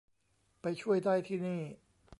ไปช่วยได้ที่นี่